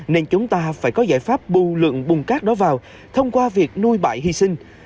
nên chúng ta phải có giải pháp bù lượng bùng cát đó vào thông qua việc nuôi bại hy sinh